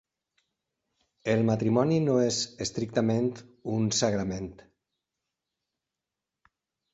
El matrimoni no és estrictament un sagrament.